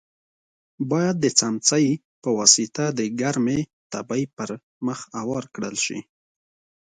باید د څمڅۍ په واسطه د ګرمې تبۍ پر مخ اوار کړل شي.